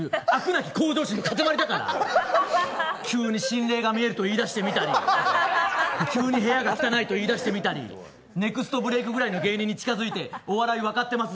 なき向上心の塊だから急に心霊が見えると言いだしてみたり急に部屋が汚いと言いだしてみたりネクストブレイクぐらいの芸人に近づいてお笑い分かってます